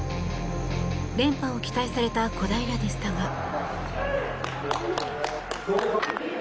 連覇を期待された小平でしたが。